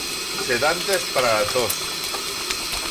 Sedantes para la tos.